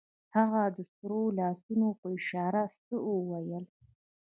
هغې د سرو لاسونو په اشارو څه وويل.